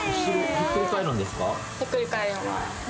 ひっくり返ります。